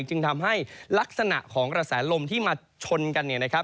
จึงทำให้ลักษณะของกระแสลมที่มาชนกัน